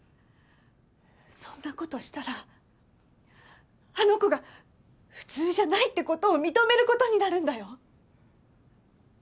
そんな事したらあの子が普通じゃないって事を認める事になるんだよ。